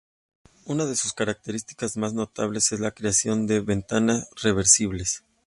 Una de sus características más notables es la creación de ventanas reversibles.